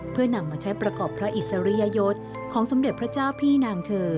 เพื่อนำมาใช้ประกอบพระอิสริยยศของสมเด็จพระเจ้าพี่นางเธอ